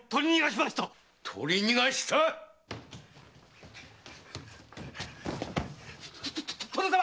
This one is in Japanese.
取り逃がした⁉と殿様！